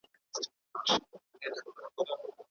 د جرګي په ويناوو کي به د ملي مصالحو خیال ساتل کيده.